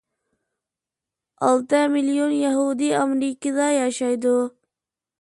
ئالتە مىليون يەھۇدىي ئامېرىكىدا ياشايدۇ.